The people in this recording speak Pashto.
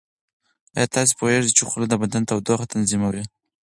ایا تاسو پوهیږئ چې خوله د بدن تودوخه تنظیموي؟